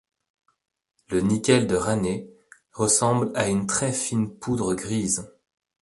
Le nickel de Raney ressemble à une très fine poudre grise.